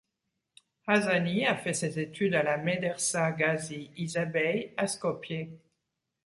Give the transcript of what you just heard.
Hasani a fait ses études à la Médersa Gazi Isa-bey à Skopje.